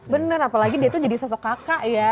bener apalagi dia tuh jadi sosok kakak ya